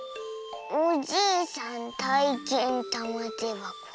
「おじいさんたいけんたまてばこ。